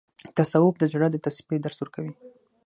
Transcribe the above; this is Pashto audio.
تصوف د زړه د تصفیې درس ورکوي.